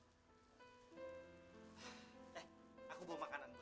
eh aku bawa makanan